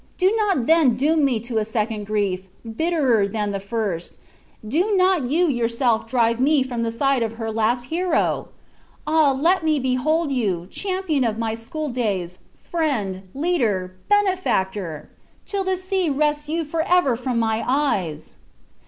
Do not then doom me to a second grief, bitterer than the first; do not you yourself drive me from the side of her last hero! Ah! let me behold you, companion of my school days, friend, leader, benefactor! till the sea wrests you forever from my eyes!"